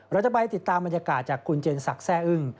เราจะไปติดตามบรรยากาศจากคุณเจนศักดิ์แซ่อึ้ง